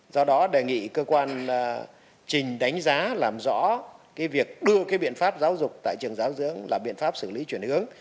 do đó đề nghị cơ quan trình đánh giá làm rõ việc đưa biện pháp giáo dục tại trường giáo dưỡng là biện pháp xử lý chuyển hướng